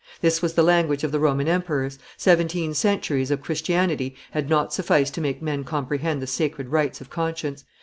This was the language of the Roman emperors. Seventeen centuries of Christianity had not sufficed to make men comprehend the sacred rights of conscience.